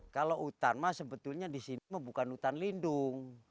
kalau hutan mah sebetulnya di sini bukan hutan lindung